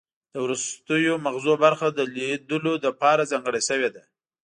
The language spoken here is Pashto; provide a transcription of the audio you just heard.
د وروستیو مغزو برخه د لیدلو لپاره ځانګړې شوې ده